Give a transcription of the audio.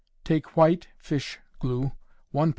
_ Take white (fish) glue, 1 lb.